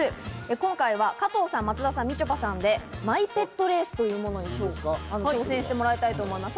今回は加藤さん、松田さん、みちょぱさんでマイペットレースというものに挑戦してもらいます。